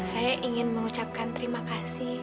saya ingin mengucapkan terima kasih